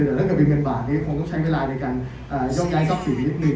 แต่ถ้าเกิดเป็นเงินบาทนี้ผมก็ใช้เวลาในการยกย้ายซ็อคสีนิดหนึ่ง